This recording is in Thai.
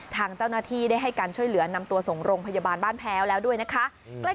ทางเจ้าหน้าที่ได้ให้การช่วยเหลือนำตัวส่งโรงพยาบาลบ้านแพ้วแล้วด้วยนะคะ